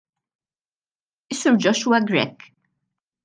Is-Sur Joshua Grech.